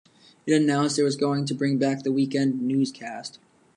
It announced it was going to bring back the weekend newscast.